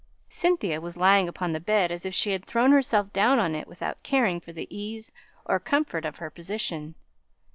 Cynthia was lying upon the bed as if she had thrown herself down on it without caring for the ease or comfort of her position.